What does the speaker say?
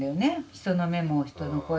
人の目も人の声も。